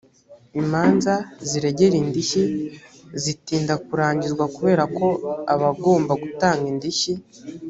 imanza ziregera indishyi zitinda kurangizwa kubera ko abagomba gutanga indishyi